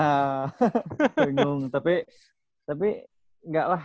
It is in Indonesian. ya bingung tapi tapi enggak lah